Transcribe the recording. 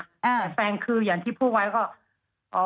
แต่แฟนคืออย่างที่พูดไว้ก็